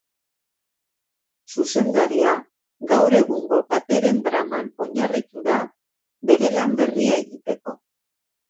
Zuzendaria gaur egungo pateren draman oinarritu da bere lan berria egiteko.